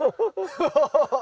ハハハハッ。